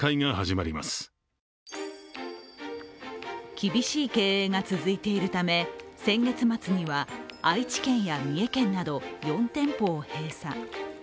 厳しい経営が続いているため先月末には愛知県や三重県など４店舗を閉鎖。